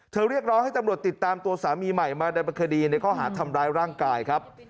เรียกร้องให้ตำรวจติดตามตัวสามีใหม่มาดำเนินคดีในข้อหาทำร้ายร่างกายครับ